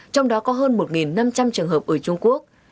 trong đó có hơn một năm trăm linh trường hợp ở trung quốc